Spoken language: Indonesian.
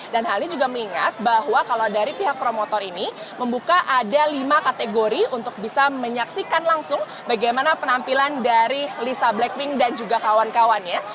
dan hal ini juga mengingat bahwa kalau dari pihak promotor ini membuka ada lima kategori untuk bisa menyaksikan langsung bagaimana penampilan dari lisa blackpink dan juga kawan kawannya